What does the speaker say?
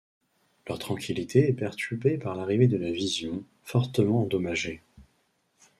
Leur tranquillité est perturbée par l'arrivée de la Vision, fortement endommagée.